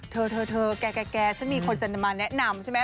เธอแก่ฉันมีคนจะมาแนะนำใช่ไหม